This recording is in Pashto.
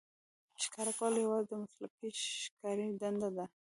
ښکار کول یوازې د مسلکي ښکاري دنده ده.